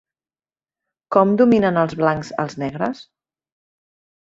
Com dominen els blancs als negres?